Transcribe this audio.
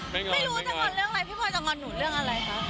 ไม่รู้จะงอนเรื่องอะไรพี่พลอยจะงอนหนูเรื่องอะไรคะ